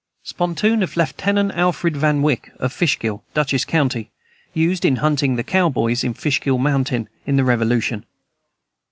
Spontoon of Lieutenant Alfred Van Wyck, of Fishkill, Dutchess county, used in hunting the cowboys in Fishkill mountain, in the Revolution.